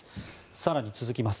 更に続きます。